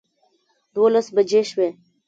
دولس بجې شوې.